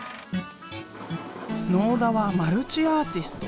納田はマルチアーティスト。